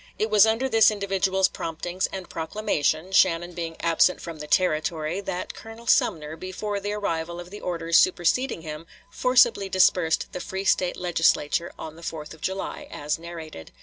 It was under this individual's promptings and proclamation, Shannon being absent from the Territory, that Colonel Sumner, before the arrival of the orders superseding him, forcibly dispersed the free State Legislature on the 4th of July, as narrated.